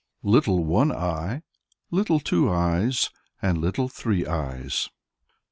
LITTLE ONE EYE, LITTLE TWO EYES, AND Little Three Eyes.